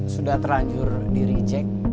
sudah terlanjur di reject